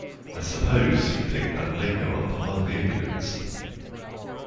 I suppose you picked that lingo up among the Indians.